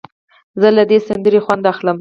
زه له دې سندرې خوند اخلم.